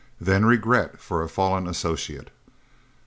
Then regret for a fallen associate.